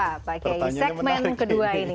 pertanyaan yang menarik ini